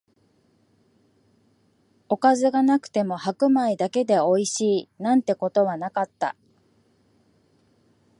おかずがなくても白米だけでおいしい、なんてことはなかった